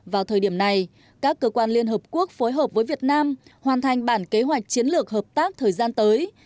vào thời điểm này các cơ quan liên hợp quốc phối hợp với việt nam hoàn thành bản kế hoạch chiến lược hợp tác thời gian tới